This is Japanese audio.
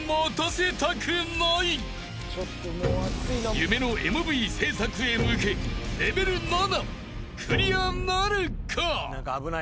［夢のＭＶ制作へ向けレベル７クリアなるか？］